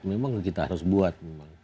memang kita harus buat